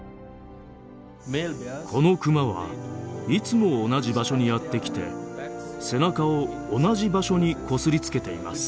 このクマはいつも同じ場所にやってきて背中を同じ場所にこすりつけています。